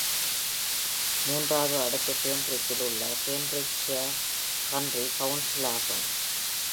மூன்றாவது அடுக்கு கேம்பிரிட்ஜில் உள்ள Cambridgeshire County Council ஆகும்.